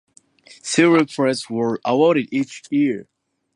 Several prizes were awarded each year.